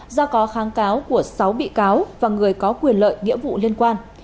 do có kháng cáo của sáu bị cáo và người có quyền lợi nghĩa vụ liên quan